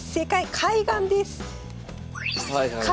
海岸です。